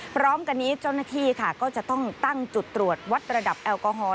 พร้อมกันนี้เจ้าหน้าที่ค่ะก็จะต้องตั้งจุดตรวจวัดระดับแอลกอฮอล